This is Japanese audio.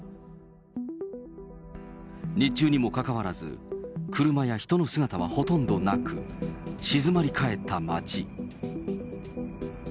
日中にもかかわらず、車や人の姿はほとんどなく、静まり返った街。